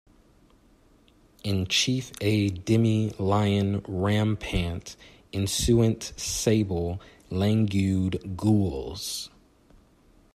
In chief a demi lion rampant issuant sable, langued gules.